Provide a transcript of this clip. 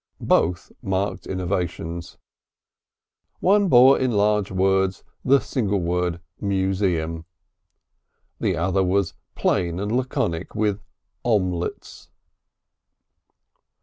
Both marked innovations. One bore in large letters the single word "Museum," the other was as plain and laconic with "Omlets!"